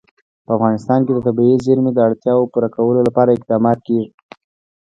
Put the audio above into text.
په افغانستان کې د طبیعي زیرمې د اړتیاوو پوره کولو لپاره اقدامات کېږي.